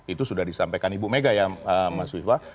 itu sudah disampaikan ibu mega ya mas viva